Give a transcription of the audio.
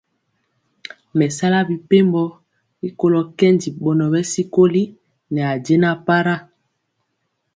Me sala mɛpembo rikolo kɛndi bɔnɔ bɛ sikoli ne jɛna para,